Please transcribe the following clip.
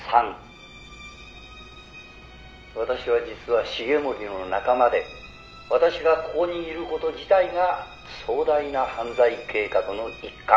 「私は実は繁森の仲間で私がここにいる事自体が壮大な犯罪計画の一環」